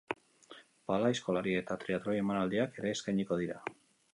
Pala, aizkolari eta triatloi emanaldiak ere eskainiko dira.